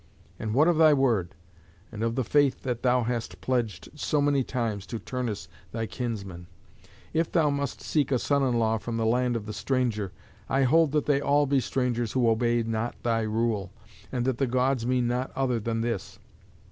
And what of thy word, and of the faith that thou hast pledged so many times to Turnus thy kinsman? If thou must seek a son in law from the land of the stranger, I hold that they all be strangers who obey not thy rule, and that the Gods mean not other than this.